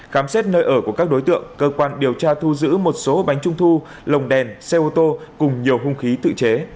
khám xét nơi ở của các đối tượng cơ quan điều tra thu giữ một số bánh trung thu lồng đèn xe ô tô cùng nhiều hung khí tự chế